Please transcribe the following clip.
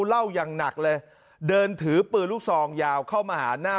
เหล้าอย่างหนักเลยเดินถือปืนลูกซองยาวเข้ามาหาหน้า